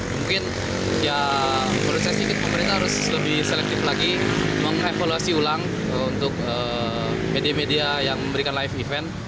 mungkin ya menurut saya sih pemerintah harus lebih selektif lagi mengevaluasi ulang untuk media media yang memberikan live event